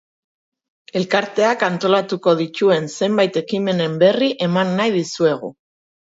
Elkarteak antolatuko dituen zenbait ekimenen berri eman nahi dizuegu.